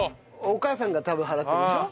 お母さんが多分払ってるでしょ。